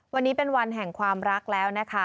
วันนี้เป็นวันแห่งความรักแล้วนะคะ